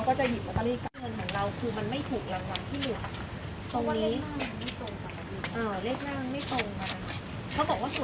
นิตย์การแบบนี้เขาทำแบบนี้ทุกว่านะคะ